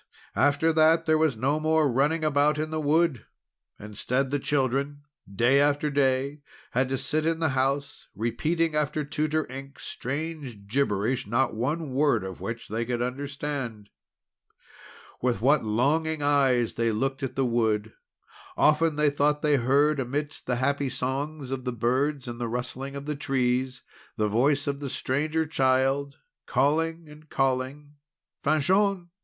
after that there was no more running about in the wood! Instead the children, day after day, had to sit in the house, repeating after Tutor Ink strange gibberish, not one word of which they could understand. With what longing eyes they looked at the wood! Often they thought they heard, amidst the happy songs of the birds and the rustling of the trees, the voice of the Stranger Child, calling, and calling: "Fanchon!